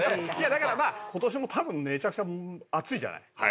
だから今年もたぶんめちゃくちゃ暑いじゃない？